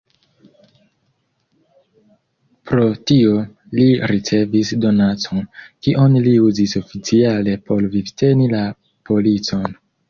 Pro tio li ricevis donacon, kion li uzis oficiale por vivteni la policon.